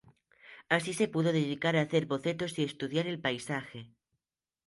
Así, se pudo dedicar a hacer bocetos y estudiar el paisaje.